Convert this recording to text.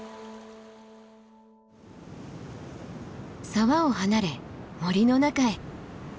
沢を離れ森の中へ。